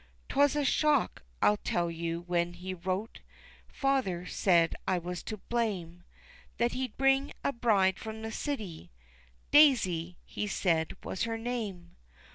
'Twas a shock, I tell you, when he wrote (Father said I was to blame) That he'd bring a bride from the city Daisy, he said, was her name.